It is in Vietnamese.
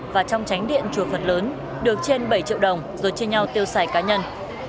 và trong tránh điện chùa phần lớn được trên bảy triệu đồng rồi chia nhau tiêu xài cá nhân